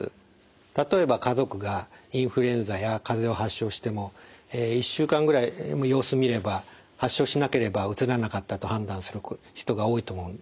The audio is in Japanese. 例えば家族がインフルエンザやかぜを発症しても１週間ぐらい様子見れば発症しなければうつらなかったと判断する人が多いと思います。